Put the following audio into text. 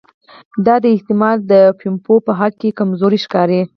دا احتمال د پومپیو په حق کې کمزوری ښکاري.